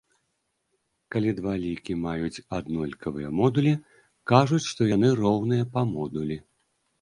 Калі два лікі маюць аднолькавыя модулі, кажуць, што яны роўныя па модулі.